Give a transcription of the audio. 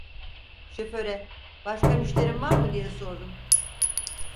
Şoföre: "Başka müşterin var mı?" diye sordum.